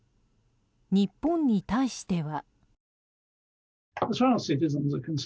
日本に対しては。